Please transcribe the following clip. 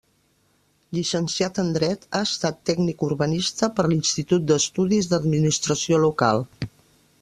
Llicenciat en Dret, ha estat tècnic urbanista per l'Institut d'Estudis d'Administració Local.